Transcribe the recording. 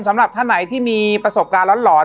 สำหรับท่านไหนที่มีประสบการณ์หลอน